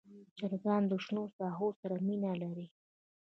چرګان د شنو ساحو سره مینه لري.